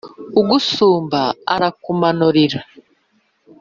Ugusumba arakumanurira.